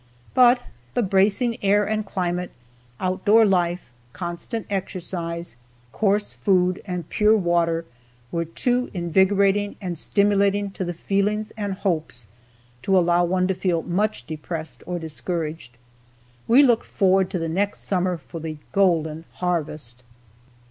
But the bracing air and climate, outdoor life, constant exercise, coarse food and pure water were too invigorating and stimulating to the feelings and hopes to allow one to feel much depressed or discouraged. We looked forward to the next summer for the golden harvest.